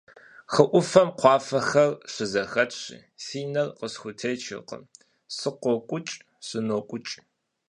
Хы Ӏуфэм кхъуафэхэр щызэхэтщи, си нэр къысхутечыркъым: сыкъокӀукӀ-сынокӀукӀ.